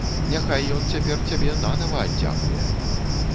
Няхай ён цяпер цябе нанава аддзякуе.